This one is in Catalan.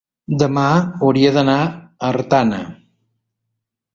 Demà hauria d'anar a Artana.